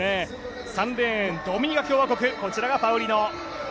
３レーン、ドミニカ共和国こちらがパウリノ。